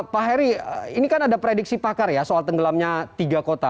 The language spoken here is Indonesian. pak heri ini kan ada prediksi pakar ya soal tenggelamnya tiga kota